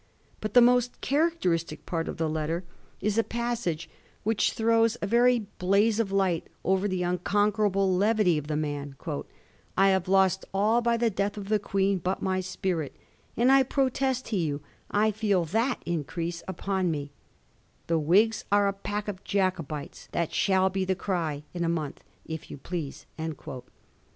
But the most characteristic part of the letter is a passage Digiti zed by Google 1714 'IN A MONTH, IF YOU PLEASE.* 63 which throws a very hlaze of Kght over the uncon querable levity of the man. ' I have lost all by the ^eath of the Queen but my spirit ; and, I protest to you, I fed that increase upon me. The Whigs are a pack of Jacobites ; that shall be the cry in a month, if you please.'